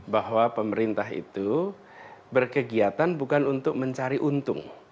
bahwa pemerintah itu berkegiatan bukan untuk mencari untung